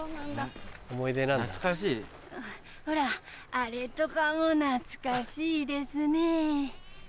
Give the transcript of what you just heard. あれとかも懐かしいですねぇ。